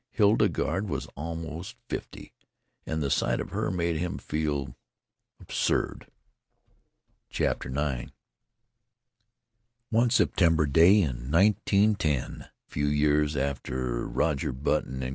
Hildegarde was almost fifty, and the sight of her made him feel absurd.... IX One September day in 1910 a few years after Roger Button & Co.